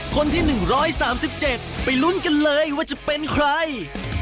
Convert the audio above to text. คนที่๑๓๗ไปลุ้นกันเลยว่าจะเป็นใคร